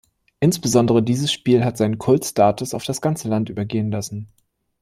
Insbesondere dieses Spiel hat seinen Kult-Status auf das ganze Land übergehen lassen.